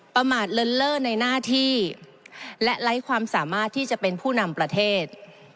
ประมาทเลินเล่อในหน้าที่และไร้ความสามารถที่จะเป็นผู้นำประเทศ